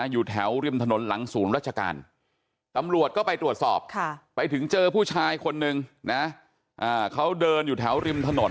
อยู่แถวริมถนนหลังศูนย์รัชการ